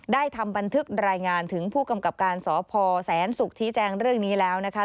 ทำบันทึกรายงานถึงผู้กำกับการสพแสนศุกร์ชี้แจงเรื่องนี้แล้วนะคะ